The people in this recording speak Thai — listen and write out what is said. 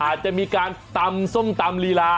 อาจจะมีการตำส้มตำลีลา